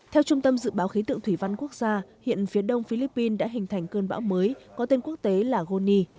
theo trung tâm dự báo khí tượng thủy văn quốc gia hiện phía đông philippines đã hình thành cơn bão mới có tên quốc tế là goni